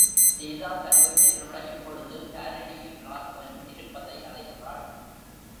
சீதா தன் வீட்டில் நுழையும் பொழுது, தாரிணியும் ராகவனும் இருப்பதை அறிகிறாள்.